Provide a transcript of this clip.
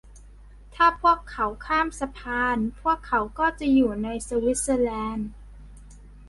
ถ้าพวกเขาข้ามสะพาน พวกเขาก็จะอยู่ในสวิสเซอร์แลนด์